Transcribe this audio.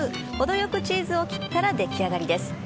程よくチーズを切ったら出来上がりです。